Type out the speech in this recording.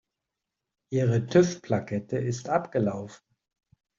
Ihre TÜV-Plakette ist abgelaufen.